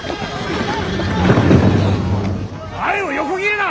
前を横切るな！